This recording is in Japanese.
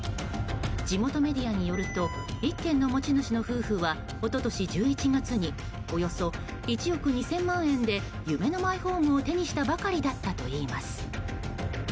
地元メディアによると一軒の持ち主の夫婦は一昨年１１月におよそ１億２０００万円で夢のマイホームを手にしたばかりだったといいます。